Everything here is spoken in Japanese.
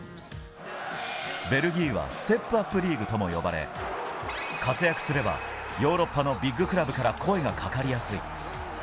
ベルギーはステップアップリーグとも呼ばれ、活躍すればヨーロッパのビッグクラブから声がかかりやすい。